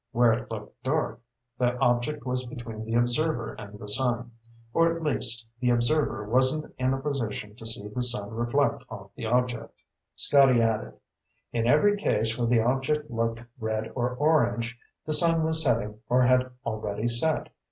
Where it looked dark, the object was between the observer and the sun. Or, at least, the observer wasn't in a position to see the sun reflect off the object." Scotty added, "In every case where the object looked red or orange, the sun was setting or had already set.